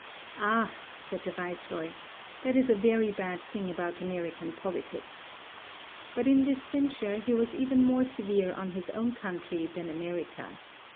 "Ah," said the viceroy, "that is a very bad thing about American politics." But in this censure he was even more severe on his own country than America.